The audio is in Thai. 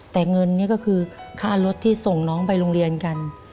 แต่เงินนี่ก็คือค่ารถที่ส่งน้องไปโรงเรียนกัน